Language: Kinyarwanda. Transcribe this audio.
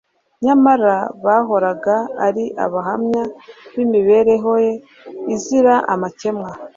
Nyamara bahoraga ari abahamya b'imibereho ye izira amakemwa